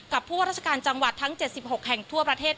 ผู้ว่าราชการจังหวัดทั้ง๗๖แห่งทั่วประเทศ